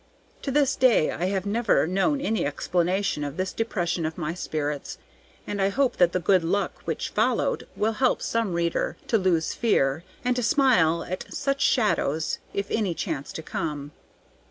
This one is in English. To this day I have never known any explanation of that depression of my spirits, and I hope that the good luck which followed will help some reader to lose fear, and to smile at such shadows if any chance to come.